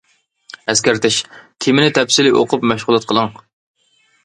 ئەسكەرتىش: تېمىنى تەپسىلىي ئوقۇپ مەشغۇلات قىلىڭ.